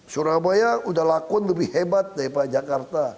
surabaya udah lakon lebih hebat daripada jakarta